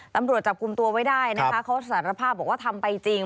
ตำรวจจับกลุ่มตัวไว้ได้นะคะเขาสารภาพบอกว่าทำไปจริง